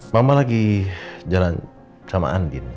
mama lagi jalan sama andin